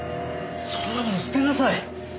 そんなもの捨てなさい。